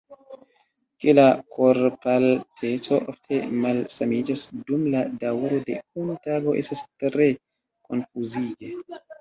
Ke la korpalteco ofte malsamiĝas dum la daŭro de unu tago estas tre konfuzige.